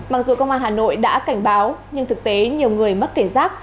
mặc dù công an hà nội đã cảnh báo nhưng thực tế nhiều người mất kiểm soát